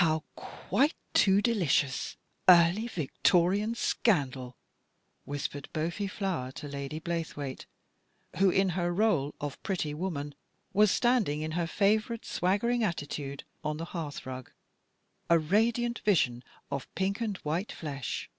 "How quite too delicious! Early Victo rian scandal," whispered the pale faced boy to Lady Blaythewaite, who, in her rdle of pretty woman, was standing in her favourite swaggering attitude on the hearth rug, a radiant vision of stolid pink and white flesh.